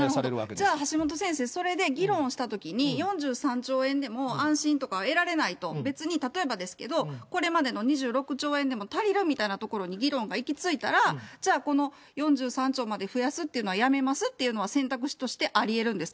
じゃあ、橋下先生、それで議論をしたときに、４３兆円でも安心とか得られないと、別に、例えばですけど、これまでの２６兆円でも足りるというようなところに、議論が行き着いたら、じゃあ、この４３兆まで増やすっていうのはやめますっていうのは、選択肢としてありえるんですか？